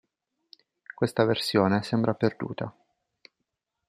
Questa versione sembra perduta.